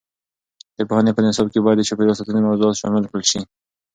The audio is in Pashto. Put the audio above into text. د پوهنې په نصاب کې باید د چاپیریال ساتنې موضوعات شامل کړل شي.